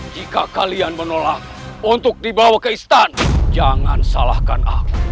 jika kalian menolak untuk dibawa ke istana jangan salahkan aku